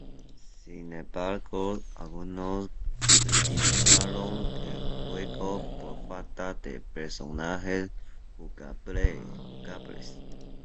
Sin embargo, algunos criticaron el juego por falta de personajes jugables.